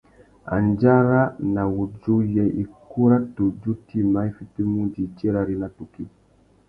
Andjara na wudjú : yê ikú râ tudju tïma i fitimú udjï tirari na tukí ?